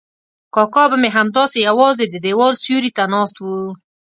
کاکا به مې همداسې یوازې د دیوال سیوري ته ناست و.